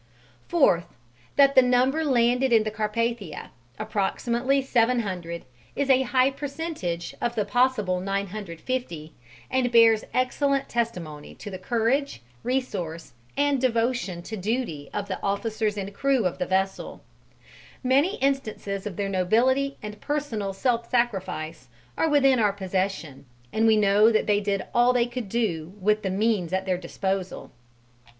Fourth, that the number landed in the Carpathia, approximately 700, is a high percentage of the possible 950, and bears excellent testimony to the courage, resource, and devotion to duty of the officers and crew of the vessel; many instances of their nobility and personal self sacrifice are within our possession, and we know that they did all they could do with the means at their disposal.